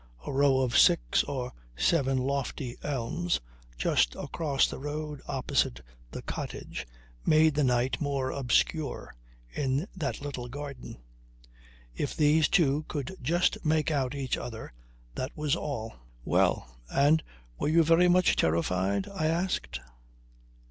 A row of six or seven lofty elms just across the road opposite the cottage made the night more obscure in that little garden. If these two could just make out each other that was all. "Well! And were you very much terrified?" I asked.